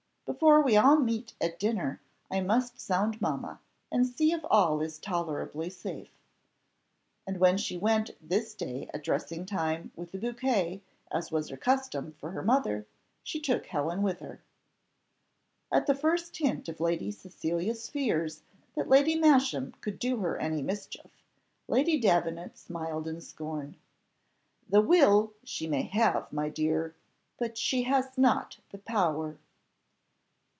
Before we all meet at dinner, I must sound mamma, and see if all is tolerably safe." And when she went this day at dressing time with a bouquet, as was her custom, for her mother, she took Helen with her. At the first hint of Lady Cecilia's fears, that Lady Masham could do her any mischief, Lady Davenant smiled in scorn. "The will she may have, my dear, but she has not the power."